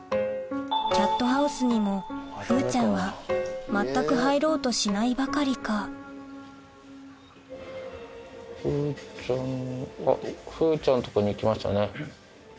キャットハウスにも風ちゃんは全く入ろうとしないばかりか風ちゃんとこに行きましたね。